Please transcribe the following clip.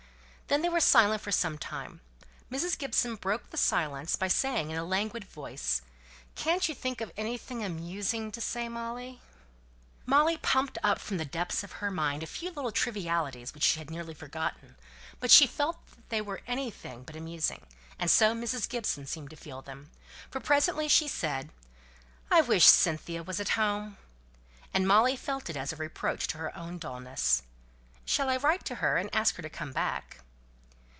Then they were silent for some time. Mrs. Gibson broke the silence by saying, in a languid voice "Can't you think of anything amusing to say, Molly?" Molly pumped up from the depths of her mind a few little trivialities which she had nearly forgotten, but she felt that they were anything but amusing, and so Mrs. Gibson seemed to feel them; for presently she said "I wish Cynthia was at home." And Molly felt it as a reproach to her own dulness. "Shall I write to her and ask her to come back?"